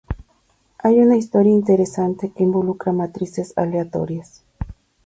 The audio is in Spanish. Hay una historia interesante que involucra matrices aleatorias.